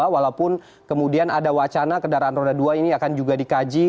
walaupun kemudian ada wacana kendaraan roda dua ini akan juga dikaji